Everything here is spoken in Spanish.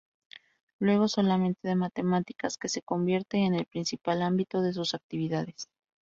Luego, solamente de matemáticas, que se convierte en el principal ámbito de sus actividades.